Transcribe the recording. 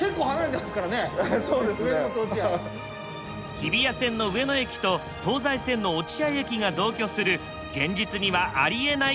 日比谷線の上野駅と東西線の落合駅が同居する現実にはありえない